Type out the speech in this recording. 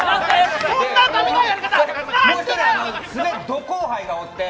もう１人、ド後輩がおって。